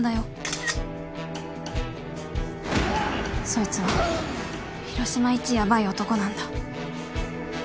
そいつは広島いちヤバい男なんだ。